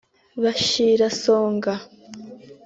Bashir Songa